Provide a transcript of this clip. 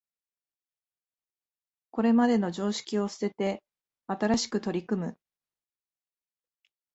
これまでの常識を捨てて新しく取り組む